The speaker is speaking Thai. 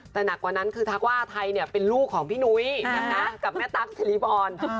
แต่หนักกว่านั้นคือทักว่าไทยเนี่ยเป็นลูกของพี่นุ้ยนะคะกับแม่ตั๊กสิริพร